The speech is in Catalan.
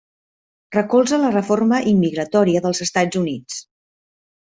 Recolza la reforma immigratòria dels Estats Units.